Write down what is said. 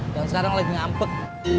dan sekarang lagi ngampek